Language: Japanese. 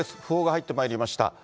訃報が入ってまいりました。